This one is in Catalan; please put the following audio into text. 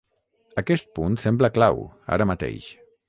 Aquest punt sembla clau, ara mateix.